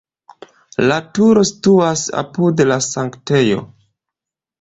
La turo situas apud la sanktejo.